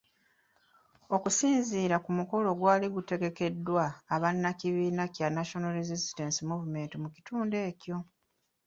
Okusinziira ku mukolo ogwali gutegekeddwa bannakibiina kya National Resistance Movement mu kitundu ekyo.